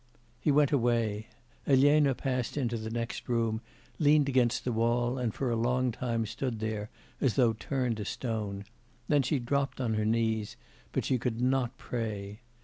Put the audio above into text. He went away. Elena passed into the next room, leaned against the wall, and for a long time stood there as though turned to stone. Then she dropped on her knees, but she could not pray.